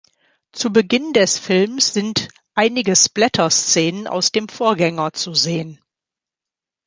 Zu Beginn des Films sind einige Splatter-Szenen aus dem Vorgänger zu sehen.